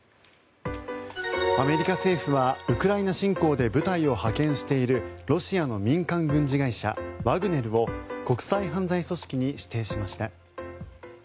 アメリカ政府はウクライナ侵攻で部隊を派遣しているロシアの民間軍事会社ワグネルを国際犯罪組織に指定しました。